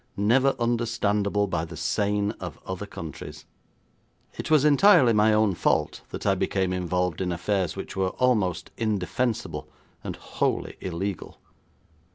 Never understandable by the sane of other countries. It was entirely my own fault that I became involved in affairs which were almost indefensible and wholly illegal.